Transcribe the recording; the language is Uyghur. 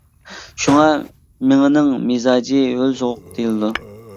شۇڭا مېڭىنىڭ مىزاجى ھۆل سوغۇق دېيىلىدۇ.